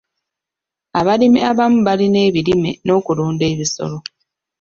Abalimi abamu balima ebirime n'okulunda ebisolo.